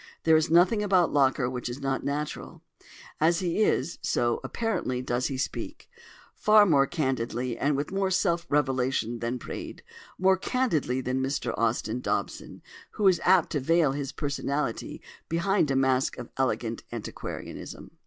There is nothing about Locker which is not natural. As he is, so (apparently) does he speak: far more candidly and with more of self revelation than Praed, more candidly than Mr Austin Dobson, who is apt to veil his personality behind a mask of elegant antiquarianism.